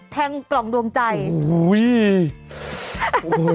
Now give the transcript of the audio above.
กล่องดวงใจโอ้โห